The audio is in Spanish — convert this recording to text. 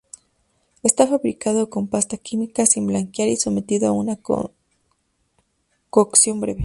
Está fabricado con pasta química, sin blanquear y sometido a una cocción breve.